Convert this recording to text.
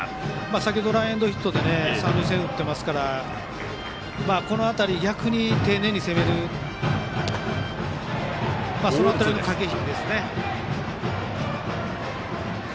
先程ランエンドヒットで三塁線を打っているのでこの辺り、逆に丁寧に攻めるそういう駆け引きですね。